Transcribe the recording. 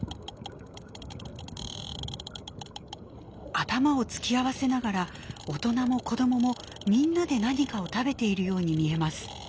頭を突き合わせながら大人も子どももみんなで何かを食べているように見えます。